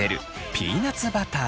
ピーナツバター！